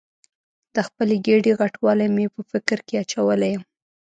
د خپلې ګېډې غټوالی مې په فکر کې اچولې یم.